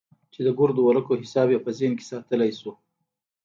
چې د ګردو ورقو حساب يې په ذهن کښې ساتلى سو.